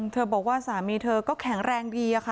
เธอบอกว่าสามีเธอก็แข็งแรงดีเหรอคะ